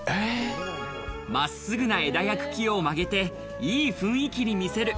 まっすぐな枝や茎を曲げていい雰囲気に見せる。